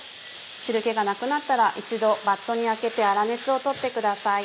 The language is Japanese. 汁気がなくなったら一度バットにあけて粗熱をとってください。